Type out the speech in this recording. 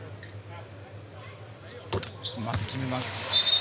まず決めます。